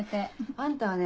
あんたはね